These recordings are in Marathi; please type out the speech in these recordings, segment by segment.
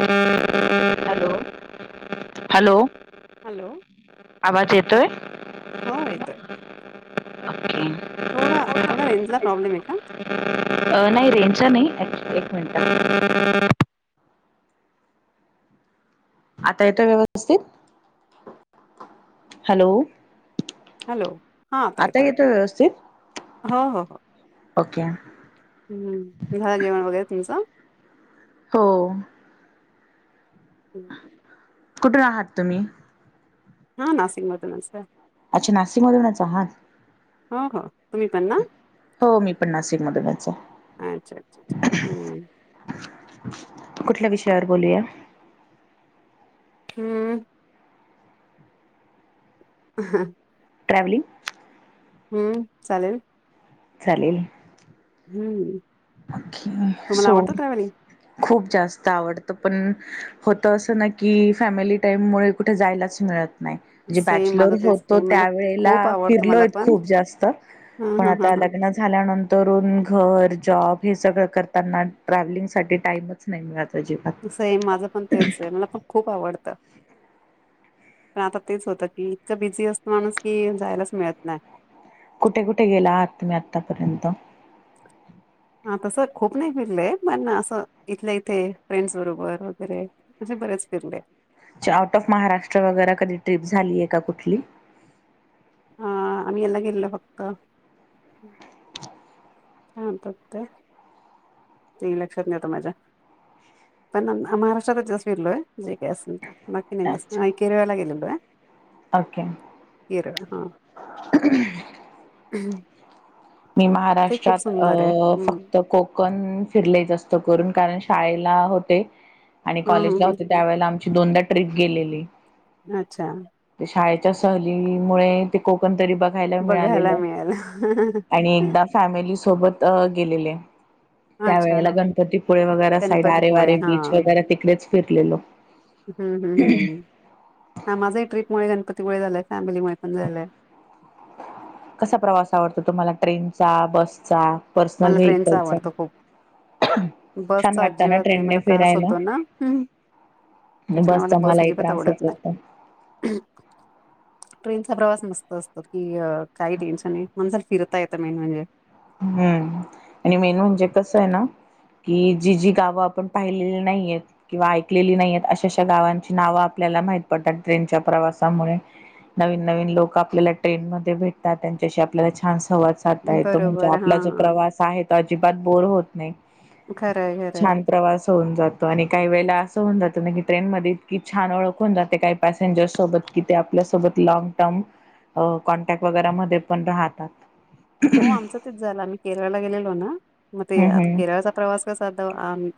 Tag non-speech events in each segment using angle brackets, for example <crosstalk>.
Hello, hello. हॅलो, आवाज येतोय हो येतोय. <unintelligible> थोडा, थोडा रेंजला प्रॉब्लेम आहे का? अ, नाही रेंजचा नाही, एक्च, एक मिनट. आता येतोय व्यवस्थित. हॅलो हॅलो, हा आता येतोय. हो, हो, हो. ओके. हम्म, झालं जेवण वगैरे तुमचं? हो. <unintelligible> कुठून आहात तुम्ही? हा नाशिक मधूनच आहे अच्छा नाशिक मधूनच आहात. हो, हो तुम्ही पण ना? हो मी पण नाशिक मधूनचं हाय. अच्छा, अच्छा, अच्छा, हम्म. कुठल्या विषयावर बोलूया? हम्म. ह. ट्रॅवलिंग? हम्म, चालेल. चालेल. हम्म. तुम्हाला सो, आवडतं ट्रॅव्हलिंग खूप जास्त आवडत, पण होत असं ना की, फॅमिली टाईम मुळे कुठे जायलाच मिळत. नाही, जे सेम बॅचलर माझं तेच होतो आहे मला त्यावेळेला खूप आवडतं मला फिरलोय पण खूप जास्त हा, पण हा, हा, आता हा. लग्न झाल्यानंतरून घर, जॉब हे सगळं करताना ट्रॅव्हलिंगसाठी टाइमच नाही मिळत अजिबात. सेम माझं पण तेच हाय, मला पण खूप आवडत. पण आता तेच होतं की, इतकं बिझी असतो माणूस की जायलाच मिळत नाय. कुठे, कुठे गेला आहात? तुम्ही आत्तापर्यंत. हा तसं, खूप नाही फिरले, पण असं इथल्या- इथे फ्रेंड्स बरोबर वगैरे. असे बरेच फिरले. आउट ऑफ महाराष्ट्र वगैरे कधी ट्रिप झाली आहे का कुठली? हा, आम्ही हेला गेललो फक्त आलतात काय? ते लक्षात नाही आता माझ्या. पण महाराष्ट्रातच जास्त फिरलोय. जे काय असेल ते, बाकी नाही अच्छा असं, केरळला गेलेलो हाय. ओके. केरळ हा. मी ते खूप महाराष्ट्रात अ, सुंदर आहे हम्म फक्त कोक ण, फिरले जास्त करून, कारण शाळेला होते आणि हा कॉलेजला होते. त्यावेळेला आमची दोनदा ट्रीप गेलेली. अच्छा ते शाळेच्या सहलीमुळे ते कोकण तरी बघायला मिळालेलं <unintelligible> आणि एकदा फॅमिली सोबत गेलेले त्या अच्छा वेळेला हा गणपतीपुळे वगैरे साईड आरे गणपतीपुळे वारे हा बीच वगैरे तिकडेच फिरलेलो. हम्म हम्म हम्म हा माझा ही ट्रिपमुळे गणपतीमुळे झालाय फॅमिलीमुळे पण झालंय. कसा प्रवास आवडतो तुम्हाला ट्रेनचा, बसचा? पर्सनल मला ट्रेनचा व्हेकलचा? आवडतो खूप छान बसचा वाटतं ना अजिबात नाही ट्रेनने मला त्रास फिरायला? होतो ना त्याच्यामुळे बसचा मला बस मलाही अजिबात आवडत त्रासच होतो. नाही. ट्रेनचा प्रवास मस्त असतो की काही टेन्शन नाही माणसाला फिरता येत मेन म्हणजे हम्म आणि मेन म्हणजे कसं आहे ना कि जी जी गावं आपण पाहिलेली नाहीयेत किंवा ऐकलेली नाहीयत अशा-अशा गावांची नावं आपल्याला माहित पडतात ट्रेनच्या प्रवासामुळे नवीन-नवीन लोकं आपल्याला ट्रेंनमध्ये भेटतात त्यांच्याशी आपल्याला छान संवाद साधता येतो म्हणजे बरोबर हा आपला जो प्रवास आहे तो अजिबात बोर होत नाही. खरंय खरंय छान प्रवास होऊन जातो आणि काही वेळेला असं होऊन जातं ना की ट्रेन मध्ये इतकी छान ओळख होऊन जाते काही पॅसेंजर सोबत कि ते आपल्यासोबत लॉंग टर्म हो कॉन्टॅक्ट वगैरेमध्ये पण राहतात. हो आमचं तेच झालं आम्ही केरळला गेलेलो ना मग ते हम्म आता हम्म केरळचा प्रवास कसा तो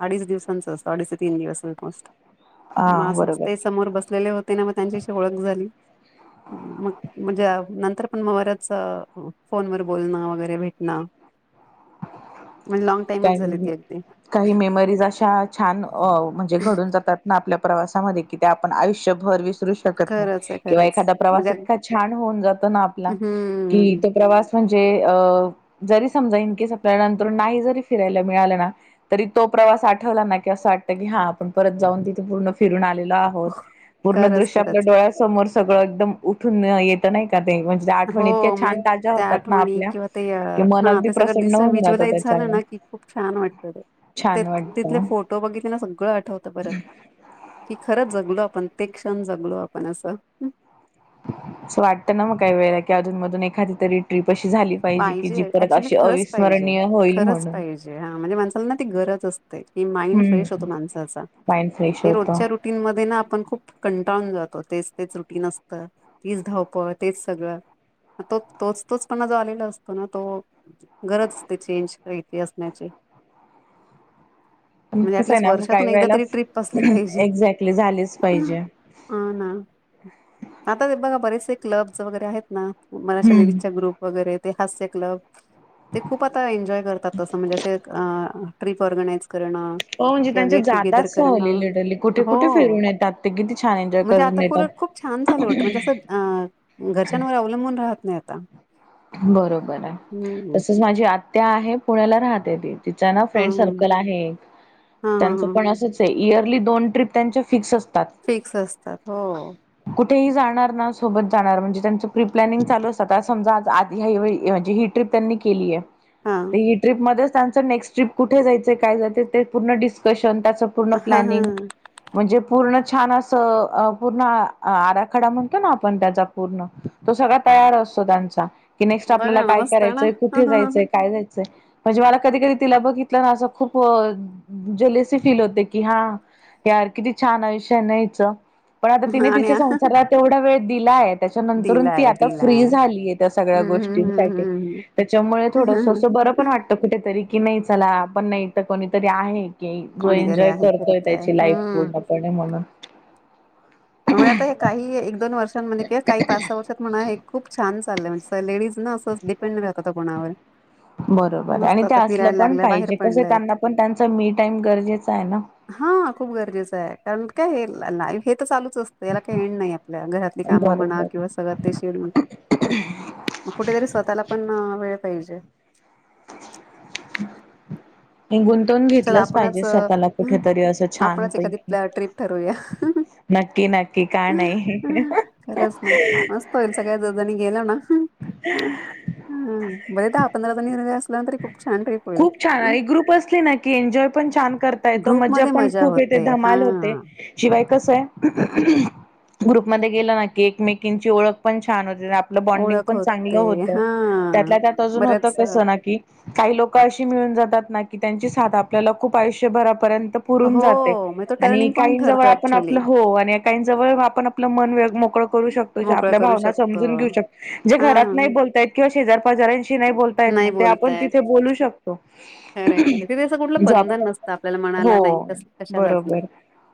अडीच दिवसांचा असतो. अडीच ते तीन दिवस मस्त हा मा असच बरोबर ते समोर बसलेले होते ना मग त्यांच्याशी ओळख झाली. मग म्हणजे नंतर पण मग बऱ्याच फोनवर बोलणं वगैरे भेटणं म्हणजे लॉग टाईमच झाली काय ती अगदी काही मेमरीज अशा छान म्हणजे घडून जातात आपल्या प्रवासामध्ये कि त्या आपण आयुष्यभर विसरू श कत नाही खरंच आहे किंवा खरंच एखादा म्हणजे प्रवास अग इतका छान होऊन जातो ना आपला कि हम्म तो प्रवास म्हणजे अ जरी समजा इनकेस आपल्याला नंतर नाही जरी फिरायला मिळालं ना तरी तो प्रवास आठवला ना की असं वाटतं की हा आपण परत जाऊन तिथे पूर्ण फिरून आलेलो आ होत पूर्ण खरंच दृश्य आपल्या खरंच डोळ्यासमोर सगळं एकदम उठून येतं नाही का ते आठवणी इतक्या हो म्हणजे छान ताज्या त्या होतात ना आपल्या कि मन अगदी प्रसन्न अस होऊन जातं व्हज्युवलाइज झालं त्याच्याने. ना की खूप छान वाटत ते ते छान तिथले वाटतं. फोटो बघितले ना सगळं आठवतं परत की खरंचं जगलो आपण ते क्षण जगलो आपण असं अस वाटत ना मग काही वेळेला कि अजून मधून एखादी तरी ट्रीप अशी झाली. की जी पाहिजे परत ऍक्च्युली अशी खरंच पाहिजे अविस्मरणीय होईल खरंच म्हणून. पाहिजे हा म्हणजे माणसाला ना ती गरज अस ते कि माइंड फ्रेश हम्म होतं माणसाचं माइंड फ्रेश होतं रुटीन मध्ये ना आपण खूप कंटाळून जातो. तेच-तेच रुटीन असतं. तीच धावपळ तेच सगळं तो तोच तोच पणा जो आलेला असतो ना तो गरज असते चेंज करायची असण्याची पण म्हणजे कसं आहे ऍटलिस्ट ना मग वर्षातून काही एकदा वेळेला तरी ट्रिप असली पाहिजे. एक्झॅक्टली झालीच पाहिजे. ह ना आता ते बघा बरेचसे क्लब्स वगैरे आहेत ना बऱ्याचशा हम्म. लेडीजच्या ग्रुप वगैरे ते हास्य क्लब ते खूप आता एन्जॉय करतात तसं म्हणजे अस अ. ट्रिप ऑर्गनायझेशन करणं. हो म्हणजे त्यांच्या गेट टुगेदर जादाच सहली करणं लिटरली कुठे हो कुठे फिरून येतात ते किती छान एन्जॉय म्हणजे करून आता येतात. खुलट खूप छान चालू होत, म्हणजे असं घरच्यांवर अवलंबून राहत नाही आता. बरोबर आहे हम्म तसच माझी आत्या आहे. पुण्याला राहते ती. तिच ना फ्रेंड हम्म सर्कल आहे. एक हा हा त्यांचं हा पण. असंच आहे, इयरली दोन ट्रीप त्यांच्या फिक्स असं. फिक्स असतात. हो ओ. कुठेही जाणार ना सोबत जाणार, म्हणजे त्यांचं प्री प्लॅनिंग चालू असतात समजा. आधी ह्या म्हणजे ही ट्रीप त्यांनी केली आहे. हा ही ट्रीपमध्येच त्यांचं नेक्स्ट ट्रीप कुठे जायचंय काय जाते ते पूर्ण डिस्कशन त्याच. तेचं पूर्ण हा हा प्लॅनिंग. म्हणजे पूर्ण छान असं पूर्ण आराखडा, म्हणतो ना आपण त्याचा पूर्ण. तो सगळा तयार असतो त्यांचा कि, नेक्स्ट आपल्याला बघा ना काय मस्त ना करायचंय हां, कुठे हां, हां, जायचंय? काय जायचंय? म्हणजे मला कधी कधी तिला बघितलं ना, असं खूप जलेसी फील होते की हा. यार किती छान आयुष्य आहे ना हिचं. पण आता तिने हां. आणि तिच्या संसाराला तेवढा वेळ दिलाय त्याच्यानंतरून ती दिलाय आता फ्री दिलाय झालीय. सगळं हम्म गोष्टी साठी हम्म तेचमुळे हम्म थोडं. हम्म खरं पण वाटत कुठेतरी की, नाही चला पण नाही तर कोणीतरी आहे. की जो कोणीतरी एन्जॉय आहे करतोय करतय त्याची लाईफ हम्म पूणपणे म्हणून. मुळे आता हे काही एक दोन वर्षां म्हणजे किंव्हा काही पाच सहा वर्षात म्हणा हे खूप छान चाललंय असं. लेडीज ना असंच डिपेंड राहतं कोणावर. बरोबर आहे आणि मस्त ते आता असलं फिरायला पण लागल्या बाहेर पाहिजे कसं, पडलंय त्यांना पण त्यांच मी टाईम गरजेच आहे ना हा खूप गरजेचं आहे, कारण काय लाईफ हे हे तर चालू. याला काही येन नाही, आपल्या घरातली काम म्हणा बरोबर किंवा सगळं ते शेडून. मग कुठेतरी स्वतःला पण वेळ पाहिजे. <unintelligible> हे गुंतवून चल घेतलंच आपणच पाहिजे, अ, स्वतःला कुठेतरी असं छान आपणच एखादी पैकी. ट्रिप ठरूया नक्की नक्की का नाही. होईलच सगळ्या जणी गेलं ना? ह <unintelligible> हम बरे दहा पंधरा जणी. असल्या तरी खूप छान ट्रिप होईल खूप छान आहे एक ग्रुप असली ना, की एन्जॉय पण छान करता येतो मजा ग्रुपमध्ये पण खूप येत. ते होते हा धमाल होते. शिवाय कस आहे ग्रुप मध्ये गेलं ना, क एकमेकींची ओळख पण छान होते. आपलं बॉन्डिंग ओळख पण चांगलं होते होतं, हा त्यातला त्यात अजून होतं बऱ्याच अ, कस ना की. काही लोक अशी मिळून जातात ना, की त्यांची साथ आपल्याला खूप आयुष्यभर. पर्यंत पुरून जाते हो, मग तो आणि टर्निंग पॉईंट काही जवळ ठरतो आपण ऍक्च्युली. आपलं हो. काही जवळ आपण आपलं मन वेग मोकळं करू शकतो, ज्या मोकळं आपल्या करू भावना शकतो. समजून घेऊ शकतो. जे घरात नाही हां, बोलतायत किंवा शेजार पाजऱ्यांशी नाही बोलतायत नाही मग ते आपण. बोलतायत. तिथे बोलू खरंय, शकतोे, खरंय. तिथे असं कुठलं बंधन नसतं आपल्याला मनाला हो नाही कसलं कशालाच ना. बरोबर.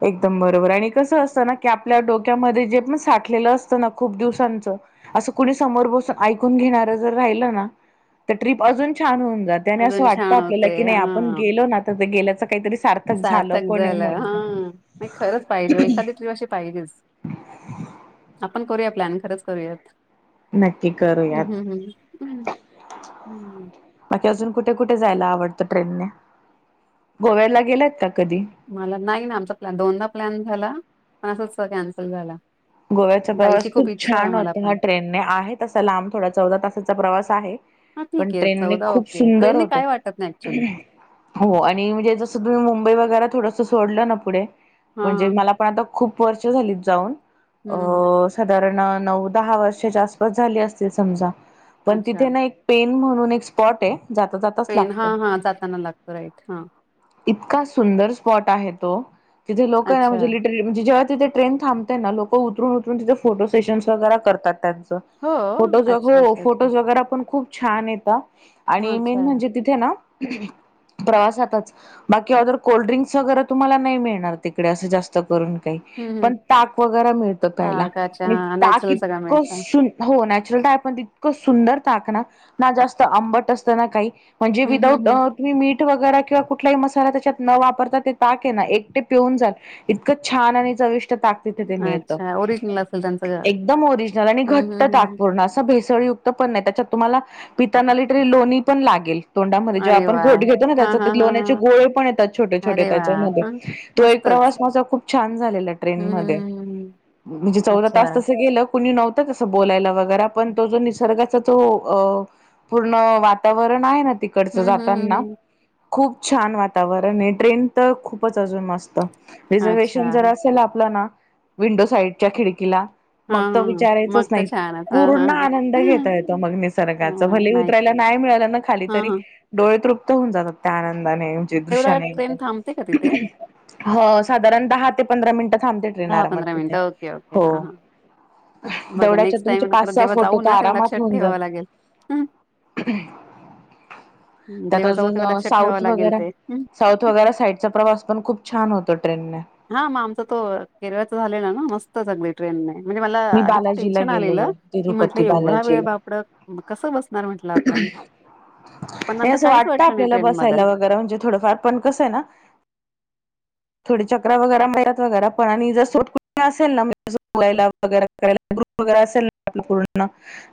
एकदम बरोबर आणि कसं असतं ना की आपल्या डोक्यामध्ये जे पण साठलेलं असतं ना खूप दिवसांचं. असं कुणी समोर बसून ऐकून घेणार जर राहिलं ना, तर ट्रीप अजून छान होऊन जात. त्याने असं अजून वाटतं छान आपल्याला होते. कि नाही आपण हां, गेलो ना तर गेल्याच काहीतरी सार्थक झालं पण झालं. म्हनून. हां, नाही खरंच पाहिजे एखादी ट्रीप अशी पाहिजेच आपण करूया प्लॅन खरंच करूयात. नक्की करूयात हम्म हम् हम् हम् हम्. बाकी अजून कुठे कुठे जायला आवडतं ट्रेनने? गोव्याला गेल्यात का कधी मला नाही ना आमचा प्लॅन दोनदा प्लॅन झाला पण असंच कॅन्सल झाला गोव्याचा प्रवास जायची खूप इच्छा आहे छान मला होता ह्या पण. ट्रेनने आहे तसा लांब थोडा चौदा तासाचा प्रवास आहे. हां, पण ठीक आहे. ट्रेनने खूप ओके. सुंदर ट्रेनने होत. काय वाटत नाही ऍक्च्युली. हो आणि म्हणजे जसं तुम्ही मुंबई वगैरे थोडस सोडलं ना पुढे म्हणजे हां, मला पण आता खूप वर्ष झालीत जाऊन अ हं, हं. साधारण नऊ दहा वर्षाच्या आसपास झाली असती समजा पण अच्छा तिथे ना एक पेन म्हणून एक स्पॉट आहे जात जात पेन हां हा जाताना लागतो राईट हा इतका सुंदर स्पॉट आहे तो तिथे लोकं अच्छा म्हणजे जेव्हा तिेथे ट्रेन थांबतेय ना लोकं उतरून उतरून तिथं फोटो सेशन् वैगरा करतात त्यांचं हो अच्छा फोटो अच्छा अच्छा फोटोज वगैरे पण खूप छान येत आणि अच्छा मेन तिथे ना प्रवासातच बाकी ऑदर कोल्ड्रिंक्स वगैरे तुम्हांला नाही मिळणार जास्त करून काही, हम्म हम् पण ताक वगैरे मिळतं प्यायला ताकाच्या मी हा ताक नॅचरल एवढं सगळं मिळत हो नॅचरल ताक पण इतकं सुंदर ताकना ना जास्त आंबट असतं ना काही म्हणजे हम्म हम्म विदाऊट.... मीठ वगैरे किंवा कुठलाही मसाला त्याच्यात न वापरता ते ताक आहे ना एकटे पिऊन जाई इतकं छान आणि चविष्ट ताक तिथे. हम् मिळत अच्छा ओरिजिनल असेल त्यांचं घर एकदम ओरिजनल आणि हम्म घट्ट हम् हम् ताटपूर्ण असं भेसळ त्याच्यात तुम्हांला पिताना तरी लोणीपण लागेल तोंडामध्ये जेंव्हा अरे आपण वा घोटघेतो ना हा त्याचा हा ते हा लोण्याचे हा गोळेपण येतात छोटेछोटे अरे वा त्याच्यामध्ये हा तो एक मस्तच प्रवास माझा खूप छान झालेला ट्रेन मध्ये हम्मम म्हणजे चौदा अच्छा तास तसं गेलं कुणी नव्हतं तंस बोलायला वगैरा पण तो जो निसर्ग तो पूर्ण वातावरण आहेना तिकडचं हम्म हम्म हम्म जातांना हम् खूप छान वातावरण आहे ट्रेन तर खूपचं अजून मस्त. अच्छा रिझर्वेशन जरअसेल आपला ना विंडो साईडच्या खिडकीला हा मग त हा हा. विचारायचंच मग तर नाही छानच हा हा पूर्ण आनंद हा घेता येतो मग निसर्गाच भले उतरायला नाही मिळालं खाली हा तरी हा डोळे तृप्त होऊन जातात त्याआनंदाने म्हणजे तेवढा वेळ दृश्याने ट्रेन थांबते का तिथे हं साधारण दहा ते पंधरा मिनिटं थांबते ट्रेन आरामात दहापधरा तिथे मिनटं ओके ओके हो हां हां मग तेवढ्याच्या नेक्स्ट तुमचे टाइम पाच खरं सहा जेव्हा फोटो तर जाऊना तेव्हा आरामात लक्षात होऊन जात ठेवावं लागेल हं त्यात जेव्हा जाऊ अजून तेव्हा लक्षात ठेवावं साऊथ लागेल वगैरा ते. हं. साऊथ वगैरे साईडचा प्रवास पण खूपछान होतो ट्रेनने हां मग आमचा तो केरळचा झालेलानां ट्रेनणे म्हणजे मला मी आधी बालाजीला टेन्शन आलेलं गेलेले की म्हटलं तिरुपती एवढा वेळ बालाजीला बापरे कसं नर म्हटलं आपण पण नंतर नाहीअसं काहीच वाटतं वाटलं नाही आपल्याला ट्रेन मध्ये. बसायला वगैरे म्हणजे थोडं कसं आहेना थोडं चकरा वगैरा मारत वगैरा असेल नाे बोयला वगैरे करायला ग्रुप वगैरे असेल ना आप पूर्ण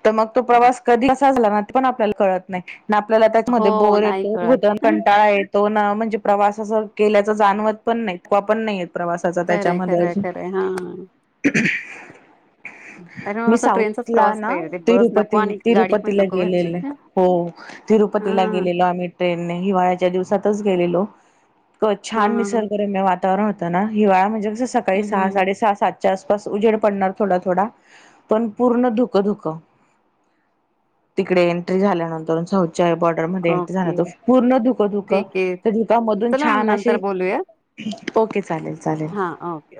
तर मग तो प्रवास कधी झाला ना ते पण आपल्याला कळत नाही आपल्याला त्याचमध्ये हो बोर नाही कळत होतं आणि हं, कंटाळा तो ना म्हणजे प्रवास असं केल्याच जाणवत पण नाही थकवा पण नाही येत त्याचा खरंय त्याच्यामध्ये खरंय अजून खरंय हा. त्याच्यामुळे मी असं ट्रेनचाच साऊथला प्रवास ना पाहिजे ते बस नको तिरुपती आणि गाडी पण तिरुपतीला नको घरची गेलेले हा हो तिरुपतीला हा. गेलेलो आम्ही ट्रेननेे हिवाळ्याच्या दिवसातच गेलेलो इतकं हा छान हा हा निसर्ग रम्य वातावरण होतना हिवाळा म्हणजे कसं सकाळी हम्म सहा हम्म साडेसहा सातच्या आसपास उजेड पडतं थोडा थोडा पण पूर्ण धुकं धुकं तिकडे एंट्री झाल्यानंतर बॉर्डर मध्ये एन्ट्री ओके झाल्यानंतर तर पूर्ण धुकंधुकं ठीक आहे धुकांमधून चला मॅम छान नंतर अशे बोलूया. ओके चालेल चालेल हां, ओके.